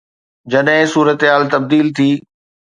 جڏهن صورتحال تبديل ٿي.